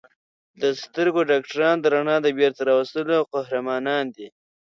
د سترګو ډاکټران د رڼا د بېرته راوستلو قهرمانان دي.